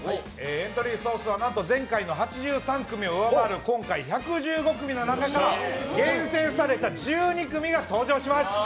エントリー総数は前回の８３組を上回る今回、１１５組の中から厳選された１２組が登場します。